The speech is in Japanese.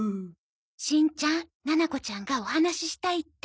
しんちゃんななこちゃんがお話ししたいって。